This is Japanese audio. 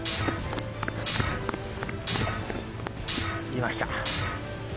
いました。